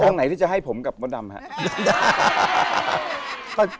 แล้วองค์ไหนที่จะให้ผมกับหมดดำฮะ